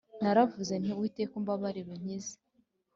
Naravuze nti Uwiteka umbabarire Unkize